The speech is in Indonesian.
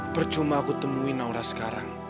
percuma aku temui naura sekarang